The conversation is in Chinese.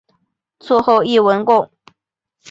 卒后谥文恭。